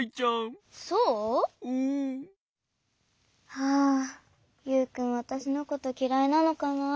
はあユウくんわたしのこときらいなのかな？